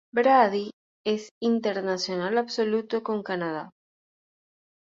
Brady es internacional absoluto con Canadá.